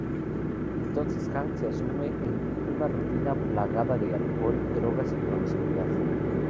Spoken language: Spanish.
Entonces Hank se sume en una rutina plagada de alcohol, drogas y promiscuidad.